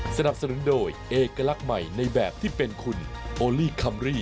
สนับสนุนโดยเอกลักษณ์ใหม่ในแบบที่เป็นคุณโอลี่คัมรี่